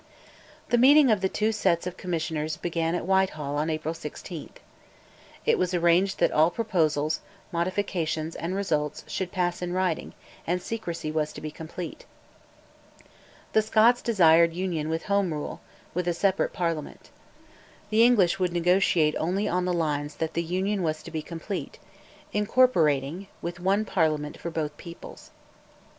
The meetings of the two sets of Commissioners began at Whitehall on April 16. It was arranged that all proposals, modifications, and results should pass in writing, and secrecy was to be complete. The Scots desired Union with Home Rule, with a separate Parliament. The English would negotiate only on the lines that the Union was to be complete, "incorporating," with one Parliament for both peoples.